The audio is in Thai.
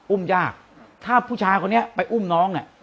ยากถ้าผู้ชายคนนี้ไปอุ้มน้องเนี่ย